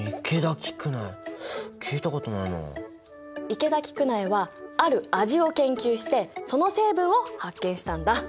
池田菊苗はある味を研究してその成分を発見したんだ。